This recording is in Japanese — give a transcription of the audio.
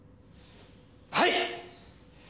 はい！